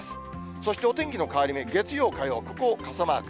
そしてお天気の変わり目、月曜、火曜、ここ傘マーク。